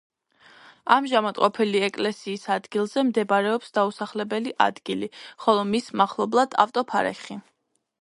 ამჟამად ყოფილი ეკლესიის ადგილზე მდებარეობს დაუსახლებელი ადგილი, ხოლო მის მახლობლად ავტოფარეხი.